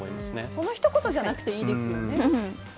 そのひと言じゃなくていいですよね。